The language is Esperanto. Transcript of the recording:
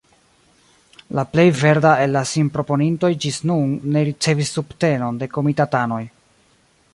La plej verda el la sinproponintoj ĝis nun ne ricevis subtenon de komitatanoj.